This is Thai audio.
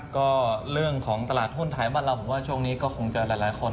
ก็เรื่องของตลาดหุ้นไทยบ้านเราผมว่าช่วงนี้ก็คงจะหลายคน